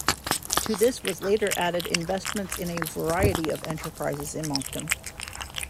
To this was later added investments in a variety of enterprises in Moncton.